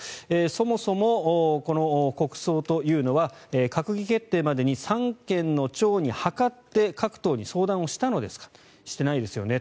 そもそも、この国葬というのは閣議決定までに三権の長に諮って各党に相談したのですかしてないですよね